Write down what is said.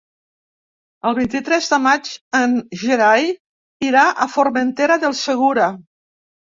El vint-i-tres de maig en Gerai irà a Formentera del Segura.